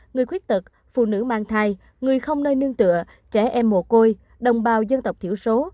người khuyết tật phụ nữ mang thai người không nơi nương tựa trẻ em mồ côi đồng bào dân tộc thiểu số